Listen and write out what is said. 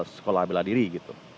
sekolah bela diri gitu